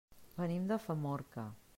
Venim de Famorca.